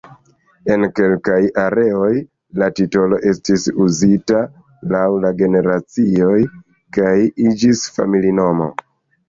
En kelkaj areoj, la titolo estis uzita laŭ la generacioj, kaj iĝis familinomo.